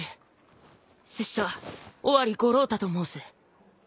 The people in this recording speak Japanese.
拙者オワリ五郎太と申す。